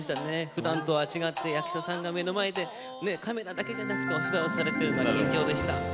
ふだんとは違って役者さんが目の前でカメラだけじゃなくてお芝居をされてるから緊張でした。